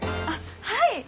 あっはい！